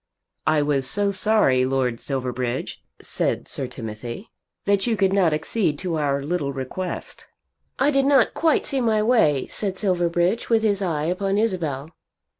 "I was so sorry, Lord Silverbridge," said Sir Timothy, "that you could not accede to our little request." "I did not quite see my way," said Silverbridge, with his eye upon Isabel.